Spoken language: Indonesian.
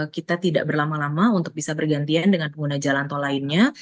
kita tidak berlama lama untuk bisa bergantian dengan pengguna jalan tol lainnya